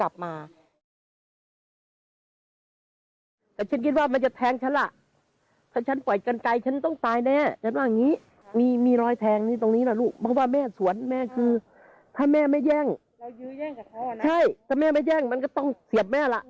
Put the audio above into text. เอาชีวิตเป็นเดิมพันเมื่อคืนนี้